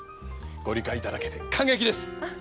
ご理解いただけて感激です！